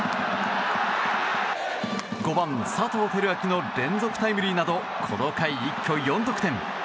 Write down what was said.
５番、佐藤輝明の連続タイムリーなどこの回一挙４得点。